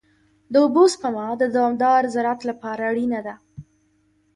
د اوبو سپما د دوامدار زراعت لپاره اړینه ده.